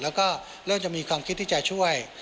แล้วก็เริ่มจะมีความคิดที่จะช่วย